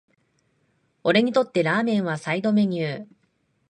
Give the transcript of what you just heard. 俺にとってラーメンはサイドメニュー